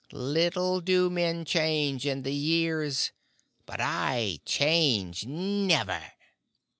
Little do men change in the years. But I change never!